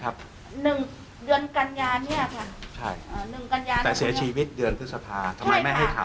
เขาบอกไม่มีใบรายงานลงบันทึกประจำวันไม่มีเลย